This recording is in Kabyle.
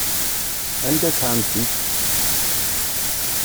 Anda-tt ɛemmti-k?